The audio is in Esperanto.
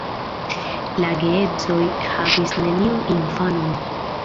La geedzoj havis neniun infanon.